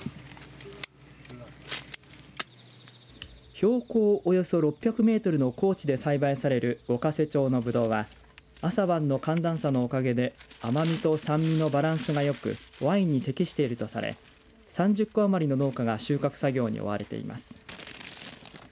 標高およそ６００メートルの高地で栽培される五ヶ瀬町のぶどうは朝晩の寒暖差のおかげで甘みと酸味のバランスがよくワインに適しているとされ３０戸余りの農家が収穫作業に追われています。